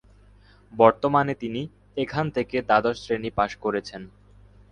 বর্তমানে তিনি এখান থেকে দ্বাদশ শ্রেণী পাশ করেছেন।